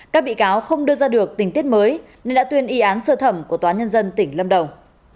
các bị cáo không đưa ra được tình tiết mới nên đã tuyên y án sơ thẩm của tòa nhân dân tỉnh lâm đồng